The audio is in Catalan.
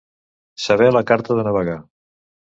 Saber la carta de navegar.